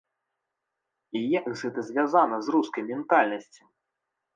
І як гэта звязана з рускай ментальнасцю.